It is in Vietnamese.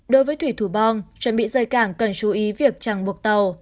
đối với thủy thủ bong chuẩn bị rời cảng cần chú ý việc chẳng buộc tàu